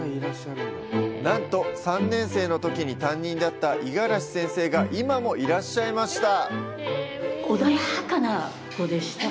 なんと、３年生のときに担任だった五十嵐先生が今もいらっしゃいました。